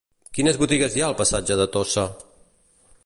Quines botigues hi ha al passatge de Tossa?